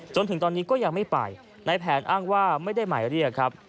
จนถึงตอนนี้ก็ยังไม่ไปในแผนอ้างว่าไม่ได้หมายเรียกครับ